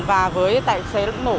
và với tài xế lẫn mổ